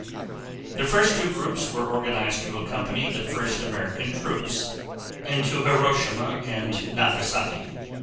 The first two groups were organized to accompany the first American troops into Hiroshima and Nagasaki.